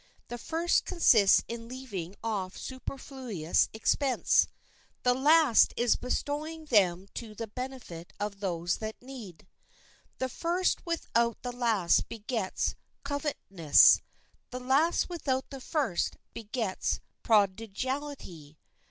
The first consists in leaving off superfluous expense; the last is bestowing them to the benefit of those that need. The first without the last begets covetousness; the last without the first begets prodigality.